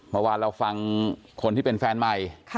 เมื่อวานเราฟังคนที่เป็นแฟนใหม่